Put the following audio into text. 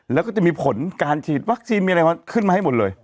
แล้วก็จะมีผลการฉีดวัคซีนมีอะไรขึ้นมาให้หมดเลย